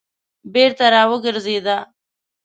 بېرته راوګرځېده.